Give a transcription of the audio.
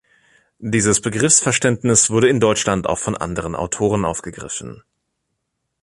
Dieses Begriffsverständnis wurde in Deutschland auch von anderen Autoren aufgegriffen.